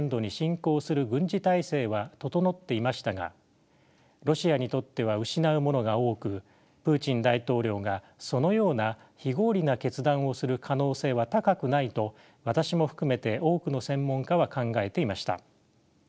整っていましたがロシアにとっては失うものが多くプーチン大統領がそのような非合理な決断をする可能性は高くないと私も含めて多くの専門家は考えていました。